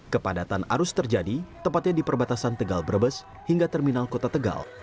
kepadatan arus terjadi tepatnya di perbatasan tegal brebes hingga terminal kota tegal